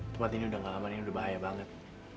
tempat ini udah nggak lama ini udah bahaya banget